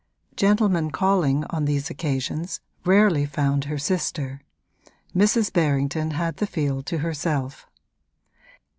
Gentlemen calling on these occasions rarely found her sister: Mrs. Berrington had the field to herself.